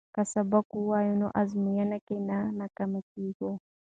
که سبق ووایو نو ازموینه کې نه ناکامیږو.